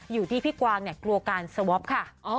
อยู่ที่พี่กวางกลัวการสว๊อปค่ะ